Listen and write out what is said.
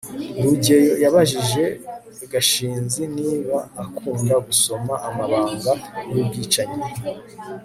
rugeyo yabajije gashinzi niba akunda gusoma amabanga yubwicanyi